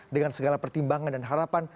dengan segala pertimbangan dan harapan